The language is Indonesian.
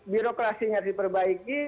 birokrasi harus diperbaiki